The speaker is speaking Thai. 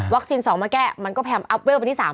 วัคซีนสองมาแก้มันก็แพร่มอัพเวลล์เป็นที่สาม